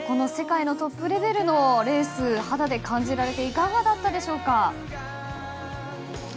世界のトップレベルのレース肌で感じられていかがだったでしょうか。